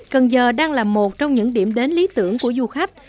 cần giờ đang là một trong những điểm đến lý tưởng của du khách